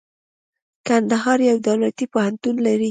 کندهار يو دولتي پوهنتون لري.